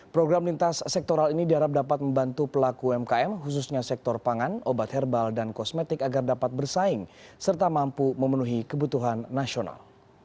program lintas sektoral ini diharapkan dapat membantu pelaku umkm khususnya sektor pangan obat herbal dan kosmetik agar dapat bersaing serta mampu memenuhi kebutuhan nasional